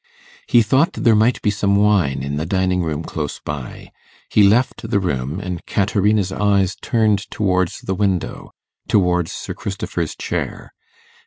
He thought there might be some wine in the dining room close by. He left the room, and Caterina's eyes turned towards the window towards Sir Christopher's chair.